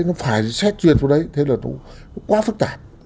nó phải xét truyền vào đấy thế là cũng quá phức tạp